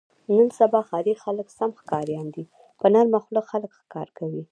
نن سبا ښاري خلک سم ښکاریان دي. په نرمه خوله خلک ښکار کوي.